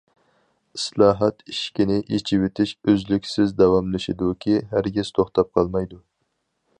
ئىسلاھات، ئىشىكنى ئېچىۋېتىش ئۈزلۈكسىز داۋاملىشىدۇكى، ھەرگىز توختاپ قالمايدۇ.